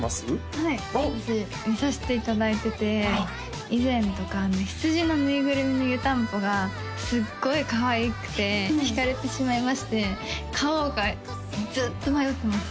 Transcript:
はい私見させていただいてて以前とか羊の縫いぐるみの湯たんぽがすごいかわいくて引かれてしまいまして買おうかずっと迷ってます